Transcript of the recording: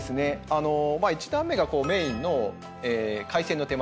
１段目がメインの海鮮の手毬